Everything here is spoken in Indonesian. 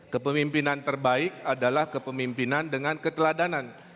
kepemimpinan terbaik adalah kepemimpinan dengan keteladanan